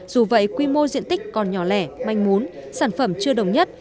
dù vậy quy mô diện tích còn nhỏ lẻ manh mún sản phẩm chưa đồng nhất